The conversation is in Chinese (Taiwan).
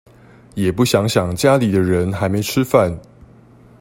也不想想家裡的人還沒吃飯